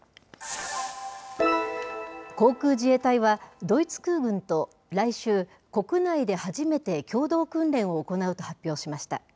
航空自衛隊は、ドイツ空軍と来週、国内で初めて共同訓練を行うと発表しました。